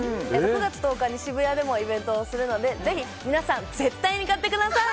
９月１０日に渋谷でもイベントをするので、ぜひ皆さん絶対に買ってください！